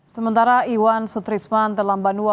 sementara iwan sutrisman telambanuwa